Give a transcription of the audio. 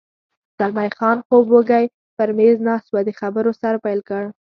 زلمی خان خوب وږی پر مېز ناست و، د خبرو سر پیل کړ.